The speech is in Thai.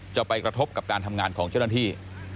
จะไปกระทบกับการทำงานของเจ้าหน้าที่